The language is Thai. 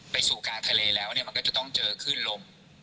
ไปสู่กลางทะเลแล้วเนี่ยมันก็จะต้องเจอขึ้นลม